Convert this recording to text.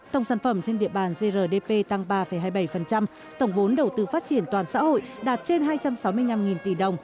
tổng sản phẩm trên địa bàn grdp tăng ba hai mươi bảy tổng vốn đầu tư phát triển toàn xã hội đạt trên hai trăm sáu mươi năm tỷ đồng